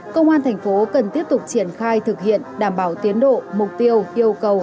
công an tp hcm cần tiếp tục triển khai thực hiện đảm bảo tiến độ mục tiêu yêu cầu